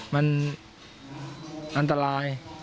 มันอันตราย